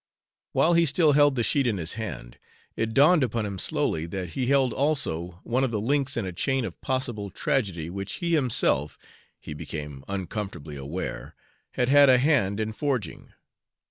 While he still held the sheet in his hand, it dawned upon him slowly that he held also one of the links in a chain of possible tragedy which he himself, he became uncomfortably aware, had had a hand in forging.